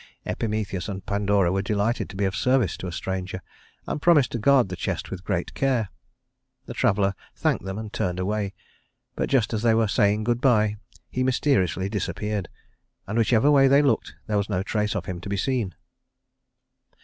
Epimetheus and Pandora were delighted to be of service to a stranger, and promised to guard the chest with great care. The traveler thanked them and turned away; but just as they were saying good by, he mysteriously disappeared, and whichever way they looked there was no trace of him to be seen.